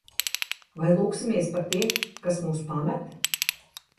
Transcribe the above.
Vai lūgsimies par tiem, kas mūs pamet?